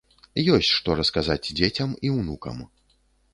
Ёсць што расказаць дзецям і ўнукам.